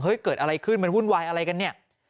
เกิดอะไรขึ้นมันวุ่นวายอะไรกันเนี่ย